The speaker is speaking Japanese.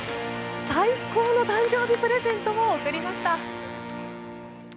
最高の誕生日プレゼントを贈りました。